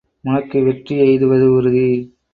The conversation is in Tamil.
உனக்கு வெற்றி எய்துவது உறுதி!